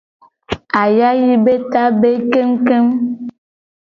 Ayayi be ta be kengu kengu.